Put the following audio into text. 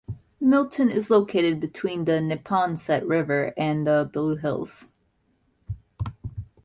Milton is located between the Neponset River and the Blue Hills.